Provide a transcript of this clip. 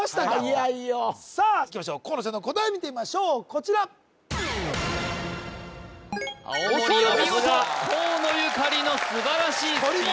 はやいよさあいきましょう河野ちゃんの答え見てみましょうこちら青森お見事河野ゆかりの素晴らしいスピード